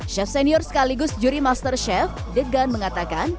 chef senior sekaligus juri master chef degan mengatakan